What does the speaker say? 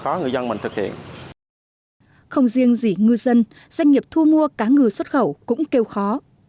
không riêng gì ngư dân doanh nghiệp thu mua cá ngừ xuất khẩu cũng kêu khó